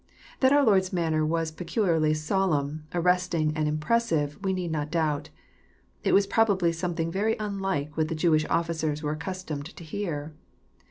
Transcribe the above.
That our Lord's manner was peculiarly solenm, arresting, and impressive, we need not doubt. It was probably something very unlike what the Jewish officers were accustomed to hear.